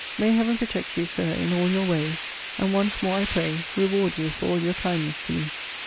May Heaven protect you, Sir, in all your ways; and, once more, I pray, reward you for all your kindness to me!